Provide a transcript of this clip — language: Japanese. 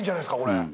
これ。